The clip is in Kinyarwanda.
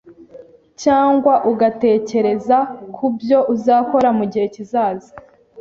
cyangwa ugatekereza ku byo uzakora mu gihe kizaza.